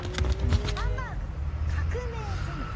ハンバーグ革命前夜。